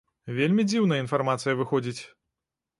Вельмі дзіўная інфармацыя выходзіць.